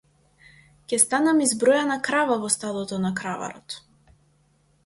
Ќе станам избројана крава во стадото на краварот.